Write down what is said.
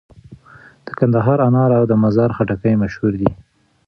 د کندهار انار او د مزار خټکي مشهور دي.